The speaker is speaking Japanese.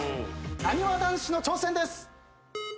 なにわ男子の挑戦です。